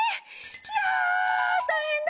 ひゃたいへんだ！